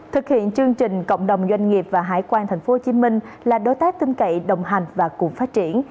thực hiện chương trình cộng đồng doanh nghiệp và hải quan tp hcm là đối tác tin cậy đồng hành và cùng phát triển